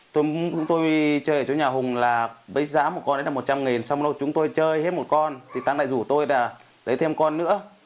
chúng tôi chơi ở chỗ nhà hùng là với giá một con đấy là một trăm linh nghìn xong rồi chúng tôi chơi hết một con thì thắng lại rủ tôi là lấy thêm con nữa